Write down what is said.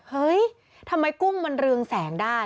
เฮ้ยทำไมกุ้งมันเรืองแสงได้